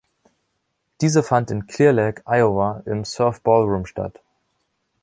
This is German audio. Diese fand in Clear Lake, Iowa, im Surf Ballroom statt.